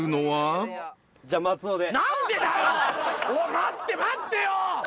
待って待ってよ！